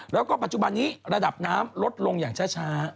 แล้วก็ปัจจุบันนี้ระดับน้ำลดลงอย่างช้า